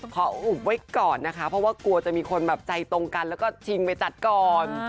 ขออุบไว้ก่อนนะคะเพราะว่ากลัวจะมีคนแบบใจตรงกันแล้วก็ชิงไปจัดก่อน